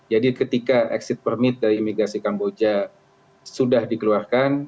jadi ketika exit permit dari imigrasi kamboja sudah dikeluarkan